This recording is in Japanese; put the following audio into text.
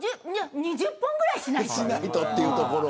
２０本ぐらいしないと。